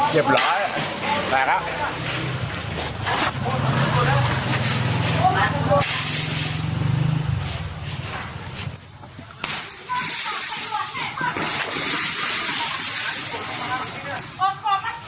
เจ็บหลายแปลกครับ